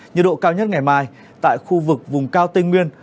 nhiệt độ cao nhất ngày mai tại khu vực vùng cao tây nguyên